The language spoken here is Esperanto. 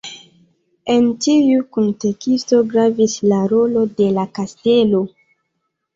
En tiu kunteksto gravis la rolo de la kastelo.